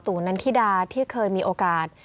นันทิดาที่เคยมีโอกาส